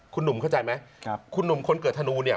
คุณหนุ่มเข้าใจไหมคุณหนุ่มคนเกิดธนูเนี่ย